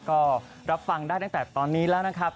ก็รับฟังได้ตั้งแต่ตอนนี้แล้วนะครับ